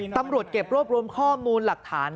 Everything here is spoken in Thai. ตำรวจเก็บรวบรวมข้อมูลหลักฐาน